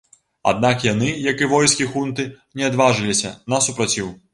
Аднак яны, як і войскі хунты, не адважыліся на супраціў.